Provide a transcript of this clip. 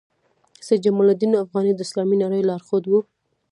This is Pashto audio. سید جمال الدین افغاني د اسلامي نړۍ لارښود وو.